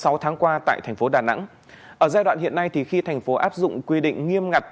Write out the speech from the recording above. sau tháng qua tại thành phố đà nẵng ở giai đoạn hiện nay thì khi thành phố áp dụng quy định nghiêm ngặt